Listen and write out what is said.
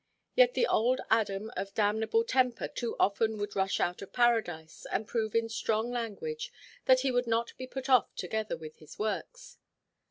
Yet the old Adam of damnable temper too often would rush out of Paradise, and prove in strong language that he would not be put off together with his works.